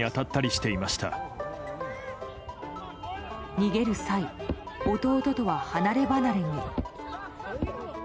逃げる際、弟とは離ればなれに。